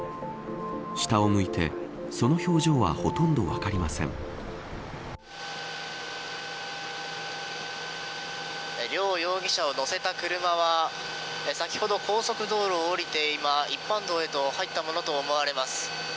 下を向いてその表情は両容疑者を乗せた車は先ほど高速道路を降りて今一般道へと入ったものと思われます。